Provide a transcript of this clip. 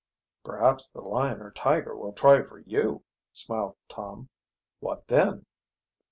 "Perhaps the lion or tiger will try for you," smiled Tom. "What then?"